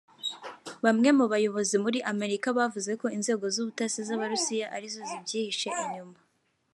Bamwe mu bayobozi muri Amerika bavuze ko inzego z’ubutasi z’Abarusiya arizo zibyihishe inyuma